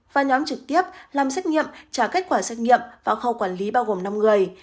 và nhóm trực tiếp làm xét nghiệm trả kết quả xét nghiệm vào khâu quản lý bao gồm năm người